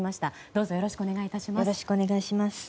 どうぞよろしくお願い致します。